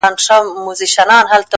نن د هر گل زړگى په وينو رنـــــگ دى ـ